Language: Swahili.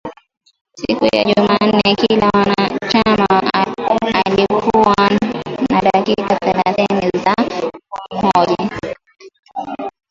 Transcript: Siku ya jumanne kila mwanachama alikuwa na dakika thelathini za kumhoji